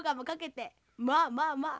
まあまあまあ。